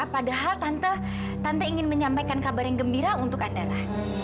padahal tante ingin menyampaikan kabar yang gembira untuk andara